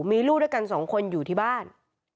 มีลูกด้วยกันสองคนอยู่ที่บ้าน